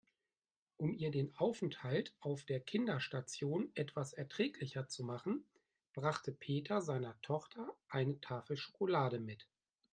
Um ihr den Aufenthalt auf der Kinderstation etwas erträglicher zu machen, brachte Peter seiner Tochter eine Tafel Schokolade mit.